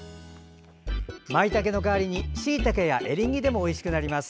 まいたけの代わりにしいたけやエリンギでもおいしくなります。